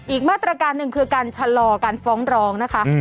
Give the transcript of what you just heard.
อีกมาตรการหนึ่งคือการชะลอการฟ้องร้องนะคะ